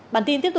bản tin tiếp tục